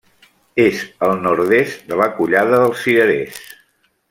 És al nord-est de la Collada dels Cirerers.